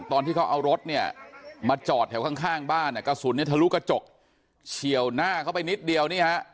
ตอนที่เขาเอารถเนี่ยมาจอดแถวข้างบ้านกระสุนเนี่ยทะลุกระจกเฉียวหน้าเขาไปนิดเดียวนี่ฮะ